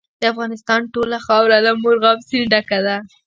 د افغانستان ټوله خاوره له مورغاب سیند ډکه ده.